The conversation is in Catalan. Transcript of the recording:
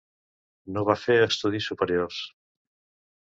No va fer estudis superiors.